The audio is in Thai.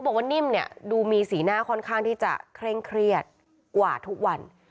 บอกว่านิ่มเนี่ยดูมีสีหน้าค่อนข้างที่จะเคร่งเครียดกว่าทุกวัน